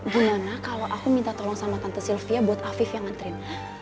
gimana kalau aku minta tolong sama tante sylvia buat afif yang nganterin